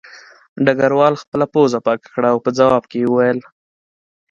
ډګروال خپله پوزه پاکه کړه او په ځواب کې یې وویل